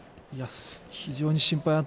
非常に心配だと。